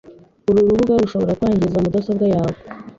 Uru rubuga rushobora kwangiza mudasobwa yawe .